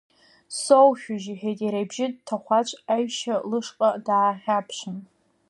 Соушәыжь, — иҳәеит иара ибжьы ҭахәаҽ, Аишьа лышҟа даахьаԥшын.